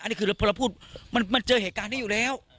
อันนี้คือพอเราพูดมันเจอเหตุการณ์นี้อยู่แล้ว